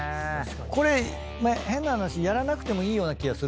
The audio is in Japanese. これ変な話やらなくてもいいような気がするんですよ。